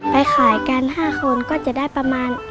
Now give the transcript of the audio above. ไปขายกัน๕คนก็จะได้ประมาณ